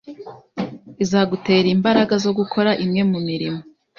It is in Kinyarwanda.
izagutera imbara zo gukora imwe mu mirimo